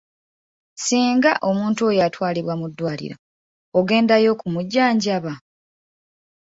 Singa omuntu oyo atwalibwa mu ddwaliro ogendayo okumujjanjaba?